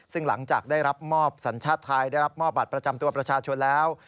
ซึ่งหลังจากได้รับมอบสัญชาติไทยได้รับมอบบัตรประจำตัวประชาชนแล้ว